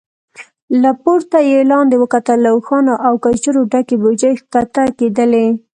له پورته يې لاندې وکتل، له اوښانو او کچرو ډکې بوجۍ کښته کېدلې.